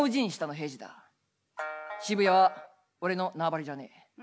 渋谷は俺の縄張りじゃねえ。